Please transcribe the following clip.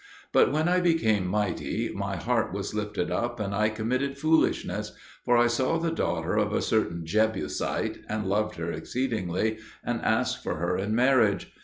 But when I became mighty my heart was lifted up, and I committed foolishness; for I saw the daughter of a certain Jebusite, and loved her exceedingly, and asked for her in marriage.